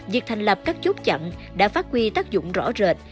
việc thành lập các chốt chặn đã phát huy tác dụng rõ rệt